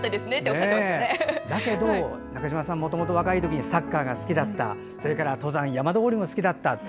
だけど、中島さんはもともと若い時にサッカーが好きだった登山、山登りも好きだった。